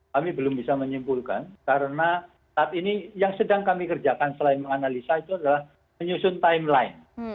kami belum bisa menyimpulkan karena saat ini yang sedang kami kerjakan selain menganalisa itu adalah menyusun timeline